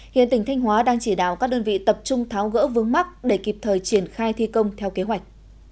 hiện tỉnh thanh hóa đang chỉ đạo các đơn vị tập trung tháo gỡ vướng mắt để kịp thời triển khai thi công theo kế hoạch